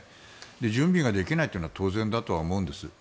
準備ができないってのは当然だと思うんです。